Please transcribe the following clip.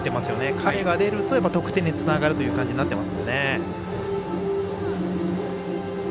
彼が出ると得点につながるという形になっています。